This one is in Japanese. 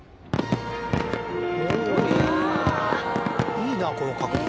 いいなこの角度。